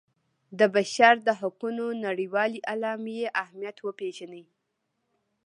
د بشر د حقونو نړیوالې اعلامیې اهمیت وپيژني.